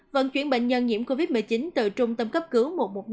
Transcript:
vận chuyển bệnh nhân nhiễm covid một mươi chín từ trung tâm cấp cứu một trăm một mươi năm